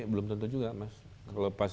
belum tentu juga mas kalau pas